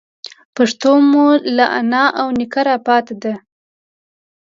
پښتو موږ ته له اناوو او نيکونو راپاتي ده.